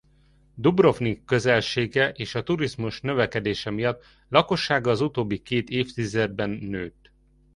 Dubrovnik közelsége és a turizmus növekedése miatt lakossága az utóbbi két évtizedben nőtt.